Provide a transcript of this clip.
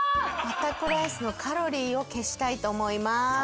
バタコライスのカロリーを消したいと思います。